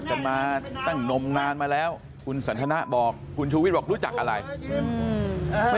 ถ้าทั้งสองท่านมาพร้อมกัน